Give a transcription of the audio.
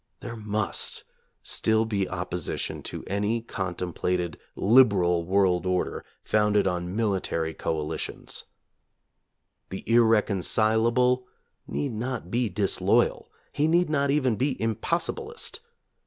There must still be opposition to any contemplated "liberal" world order founded on military coali tions. The "irreconcilable" need not be disloyal. He need not even be "impossibilist."